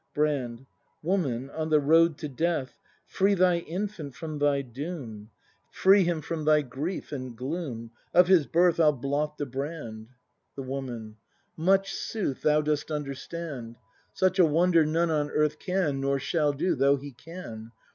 Brand. Woman, on the road to death. Free thy infant from thy doom; Free him from thy grief and gloom; Of his birth I'll blot the brand. ACT IV] BRAND 203 The Woman. Much, sooth, thou dost understand! Such a wonder none on earth Can, nor shall do, though he can!